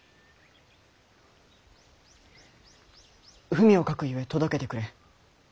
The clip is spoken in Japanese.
文を書くゆえ届けてくれ。